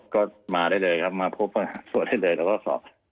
ก็มาได้เลยครับมาพบได้เลยเราก็สอบ